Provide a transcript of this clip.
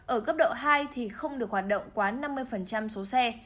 ở cấp độ hai thì không được hoạt động quá năm mươi số xe